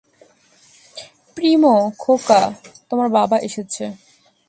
প্রিমো, খোকা, তোমার বাবা এসেছে!